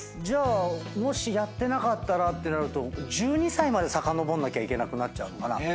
じゃあもしやってなかったらってなると１２歳までさかのぼんなきゃいけなくなっちゃうのかな。